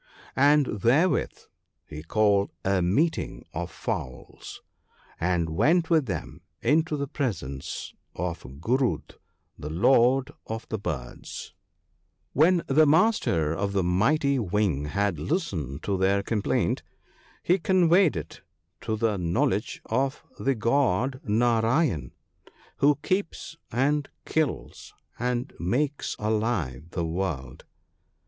' And therewith he called a meeting of fowls, and went with them into the presence of Gur(id, the Lord of the birds ( M ). When the Master of the Mighty Wing had THE PARTING OF FRIENDS. 83 listened to their complaint, he conveyed it to the know ledge of the God Narayan ( 69 ), who keeps, and kills, and makes alive the world.